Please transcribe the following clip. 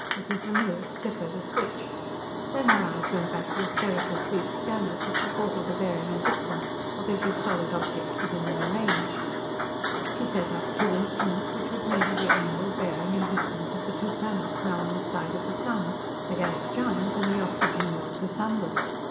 It was the merest flip of a switch. Then her eyes went back to the spherical sweep scanners which reported the bearing and distance of every solid object within their range. She set up two instruments which would measure the angle, bearing, and distance of the two planets now on this side of the sun the gas giant and the oxygen world to sunward.